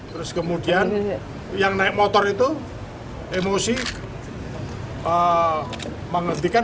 terus kemudian yang naik motor itu emosi menghentikan